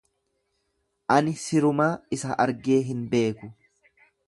Ani sirumaa isa argee hin beeku.